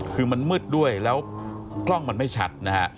คือมันมืดด้วยแล้วกล้องมันไม่ชัดนะฮะ